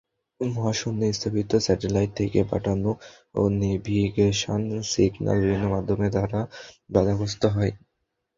মহাশূন্যে স্থাপিত স্যাটেলাইট থেকে পাঠানো নেভিগেশন সিগনাল বিভিন্ন মাধ্যম দ্বারা বাধাগ্রস্ত হয়।